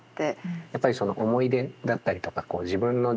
やっぱりその思い出だったりとかこう自分の人生